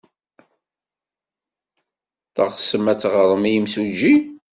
Teɣsem ad teɣrem i yimsujji?